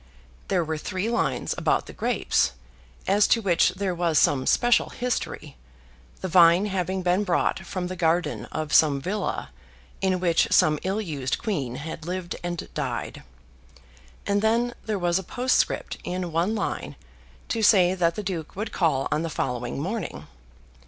There were three lines about the grapes, as to which there was some special history, the vine having been brought from the garden of some villa in which some ill used queen had lived and died; and then there was a postscript in one line to say that the Duke would call on the following morning.